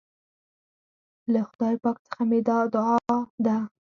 له خدای پاک څخه مي دا دعا ده